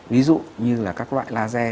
ví dụ như là các loại laser